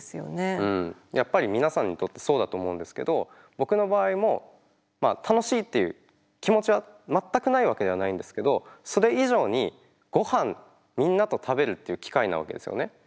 うんやっぱり皆さんにとってそうだと思うんですけど僕の場合も楽しいっていう気持ちは全くないわけではないんですけどそれ以上にごはんみんなと食べるっていう機会なわけですよね。